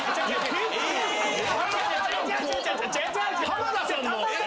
浜田さんの。